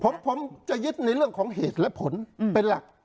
ผมจะยึดในเรื่องของเหตุและผลเป็นหลัก